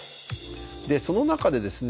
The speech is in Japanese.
その中でですね